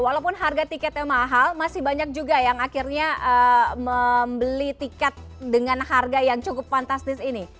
walaupun harga tiketnya mahal masih banyak juga yang akhirnya membeli tiket dengan harga yang cukup fantastis ini